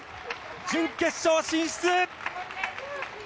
準決勝進出！